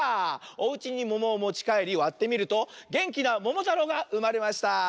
おうちにももをもちかえりわってみるとげんきなももたろうがうまれました。